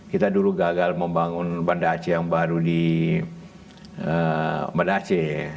kita dulu gagal membangun banda aceh yang baru di banda aceh